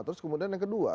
terus kemudian yang kedua